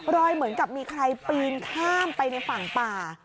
เหมือนกับมีใครปีนข้ามไปในฝั่งป่า